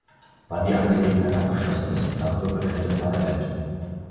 Wann die Angelegenheit abgeschlossen ist, darüber befindet das Parlament.